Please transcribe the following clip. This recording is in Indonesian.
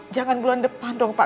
jangan bulan depan dong pak